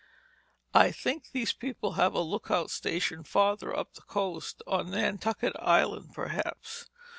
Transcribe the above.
"I think these people have a lookout stationed farther up the coast—on Nantucket Island, perhaps.